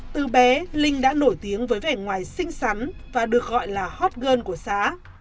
từ bé linh đã nổi tiếng với vẻ ngoài xinh xắn và được gọi là hot girl của xã